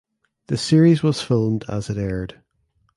The series was filmed as it aired.